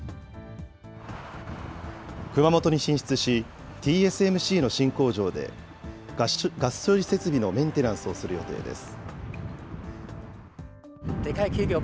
熊本に進出し、ＴＳＭＣの新工場でガス処理設備のメンテナンスをする予定です。